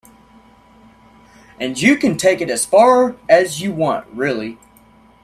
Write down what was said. And you can take it as far as you want really.